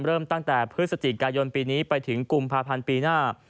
เริ่มตั้งแต่พฤศจิกายนปีนี้ไปถึงกุมภาพันธ์ปีหน้า